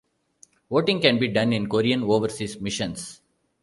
Voting can be done in Korean overseas missions.